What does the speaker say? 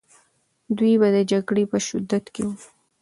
دوی به د جګړې په شدت کې وو.